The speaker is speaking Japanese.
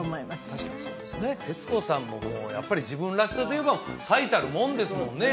確かにそうですね徹子さんももうやっぱり自分らしさでいえば最たるもんですもんね